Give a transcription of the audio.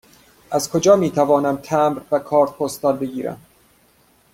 از کجا می توانم تمبر و کارت پستال بگیرم؟